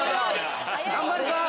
頑張ります。